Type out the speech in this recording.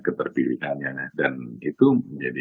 keterpilihannya dan itu menjadi